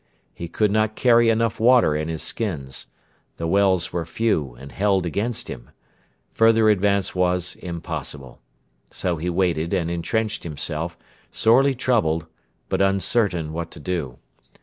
He could not carry enough water in his skins. The wells were few, and held against him. Further advance was impossible. So he waited and entrenched himself, sorely troubled, but uncertain what to do.